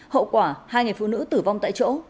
hậu quả hai người phụ nữ tử vong tại chỗ